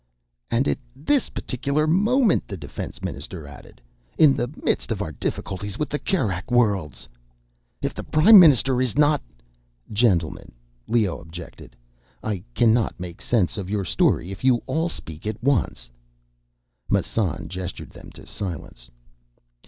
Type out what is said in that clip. "And at this particular moment," the defense minister added, "in the midst of our difficulties with the Kerak Worlds." "If the Prime Minister is not—" "Gentlemen!" Leoh objected. "I cannot make sense of your story if you all speak at once." Massan gestured them to silence.